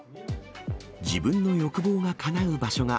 自分の欲望がかなう場所が、